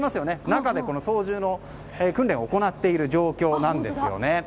中で操縦の訓練を行っている状況なんですね。